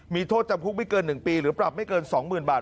มีโทษจำคุกไม่เกิน๑ปีหรือปรับไม่เกิน๒๐๐๐บาท